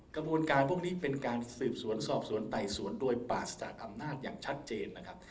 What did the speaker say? กระบวนการพวกนี้เป็นการสืบสวนสอบสวนไต่สวนโดยปราศจากอำนาจอย่างชัดเจนนะครับ